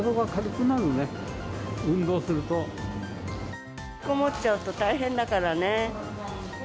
引きこもっちゃうと大変だからね。